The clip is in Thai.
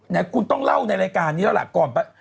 ไหนคุณต้องเล่าในรายการนี้แล้วล่ะก่อนไป